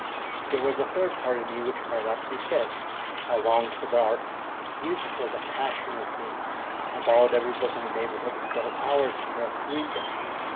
There was a third part in me which cried out to be fed. I longed for the arts. Music was a passion with me. I borrowed every book in the neighbourhood and stole hours from rest to read them.